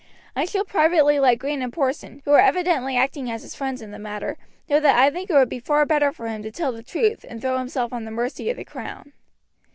I shall privately let Green and Porson, who are evidently acting as his friends in the matter, know that I think it would be far better for him to tell the truth and throw himself on the mercy of the crown."